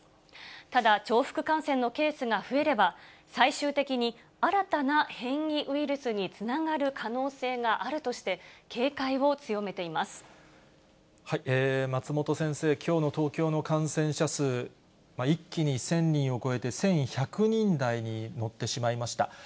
ただ、重複感染のケースが増えれば、最終的に新たな変異ウイルスにつながる可能性があるとして、松本先生、きょうの東京の感染者数、一気に１０００人を超えて、１１００人台に乗ってしまいました。